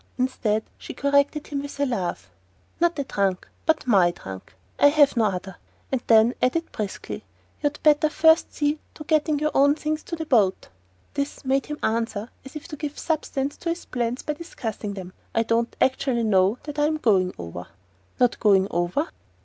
Instead, she corrected him with a laugh "Not a trunk, but my trunk; I've no other " and then added briskly: "You'd better first see to getting your own things on the boat." This made him answer, as if to give substance to his plans by discussing them: "I don't actually know that I'm going over." "Not going over?"